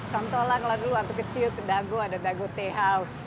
contoh lah kalau dulu waktu kecil ada dago tea house